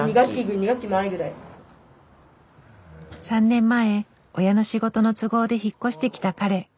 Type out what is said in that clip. ３年前親の仕事の都合で引っ越してきた彼。